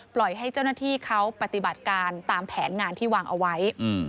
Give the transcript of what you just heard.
ปล่อยให้เจ้าหน้าที่เขาปฏิบัติการตามแผนงานที่วางเอาไว้